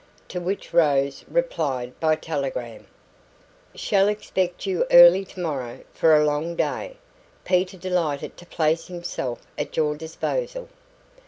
To which Rose replied by telegram: "Shall expect you early tomorrow for a long day. Peter delighted to place himself at your disposal."